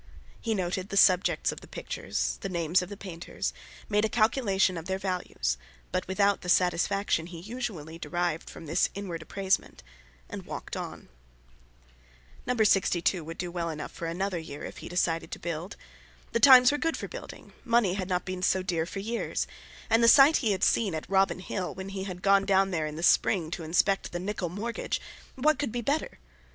He noted the subjects of the pictures, the names of the painters, made a calculation of their values, but without the satisfaction he usually derived from this inward appraisement, and walked on. No. 62 would do well enough for another year, if he decided to build! The times were good for building, money had not been so dear for years; and the site he had seen at Robin Hill, when he had gone down there in the spring to inspect the Nicholl mortgage—what could be better!